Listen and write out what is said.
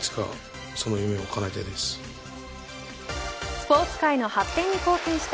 スポーツ界の発展に貢献した